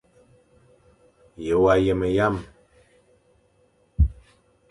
Ye wa yeme yame.